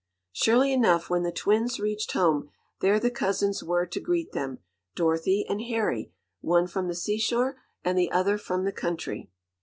Surely enough, when the twins reached home, there the cousins were to greet them Dorothy and Harry, one from the seashore, and the other from the country.